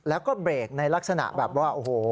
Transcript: แล้วก็เบรกในลักษณะแบบว่าโอ้โห